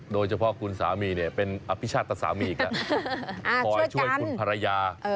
โดยเฉพาะคุณสามีเนี่ยเป็นอภิชาตรตัดสามีอีกช่วยกันช่วยคุณภรรยา